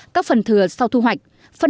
các phần thừa sau thu hoạch